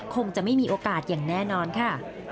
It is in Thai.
คงจะไม่มีโอกาสอย่างแน่นอนค่ะ